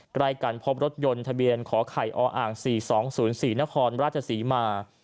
ใกล้กันพบรถยนต์ทะเบียนขอไข่ออ่างสี่สองศูนย์ศรีนครราชศรีมาร์